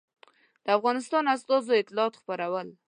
د افغانستان استازو اطلاعات خپرول.